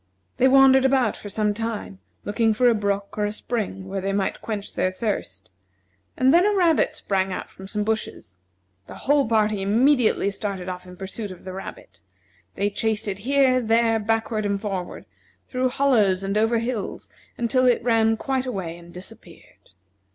They wandered about for some time, looking for a brook or a spring where they might quench their thirst; and then a rabbit sprang out from some bushes. The whole party immediately started off in pursuit of the rabbit. They chased it here, there, backward and forward, through hollows and over hills, until it ran quite away and disappeared.